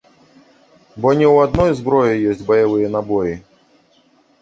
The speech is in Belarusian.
Бо не ў адной зброі ёсць баявыя набоі.